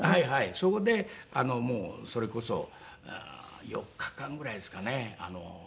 そこでそれこそ４日間ぐらいですかね。